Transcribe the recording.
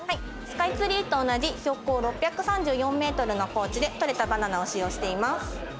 スカイツリーと同じ標高６３４ｍの高地で採れたバナナを使用しています。